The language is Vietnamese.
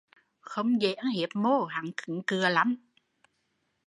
Không dễ ăn hiếp mô, hắn cứng cựa lắm